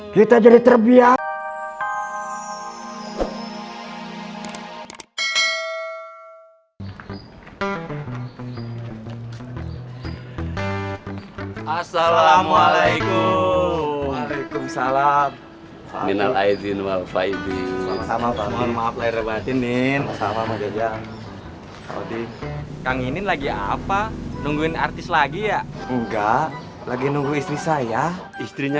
kita jadi terbiasa